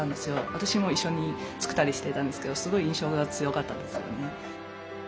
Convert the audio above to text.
私も一緒に作ったりしてたんですけどすごい印象が強かったですよね。